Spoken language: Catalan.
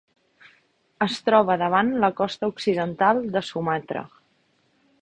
Es troba davant la costa occidental de Sumatra.